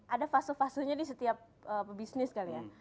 ada fasul fasulnya di setiap bisnis kali ya